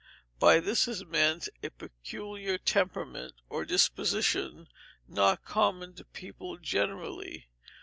By this is meant a peculiar temperament or disposition not common to people generally.